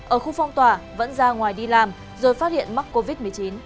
ở khu phong tỏa vẫn ra ngoài đi làm rồi phát hiện mắc covid một mươi chín